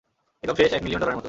একদম ফ্রেশ এক মিলিয়ন ডলারের মতো!